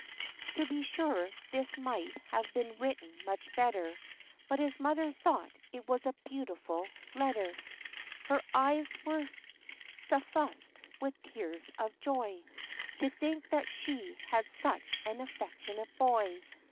To be sure, this might have been written much better; But his mother thought it was a beautiful letter. 4 * 42 THE LIFE AND ADVENTURES Her eyes were suffused with tears of joy, To think that she had such an affectionate boy.